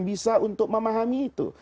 bisa untuk memahami itu